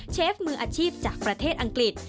เชฟมืออาชีพจากประเทศอังกฤษ